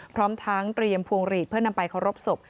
พร้อมทั้งเตรียมพวงหลีดเพื่อนำไปเคารพศพ